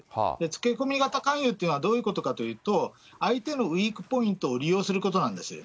つけ込み型勧誘というのはどういうことかというと、相手のウィークポイントを利用することなんですよ。